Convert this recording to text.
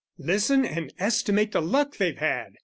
Listen and estimate the luck they've had!